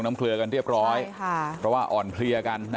ขอบคุณทุกคน